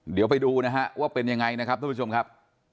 เดี๋ยวไปดูนะฮะว่าเป็นยังไงนะครับทุกผู้ชมครับ